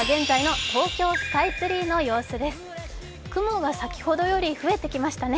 雲が先ほどより増えてきましたね。